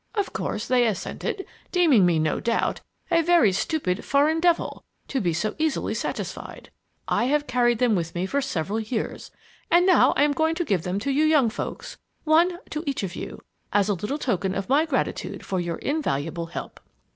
Of course they assented, deeming me, no doubt, a very stupid 'foreign devil' to be so easily satisfied! I have carried them about with me for several years, and now I am going to give them to you young folks one to each of you, as a little token of my gratitude for your invaluable help!"